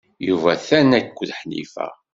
Yuba atan akked Ḥnifa.